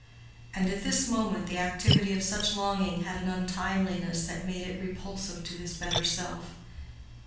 And at this moment the activity of such longing had an untimeliness that made it repulsive to his better self.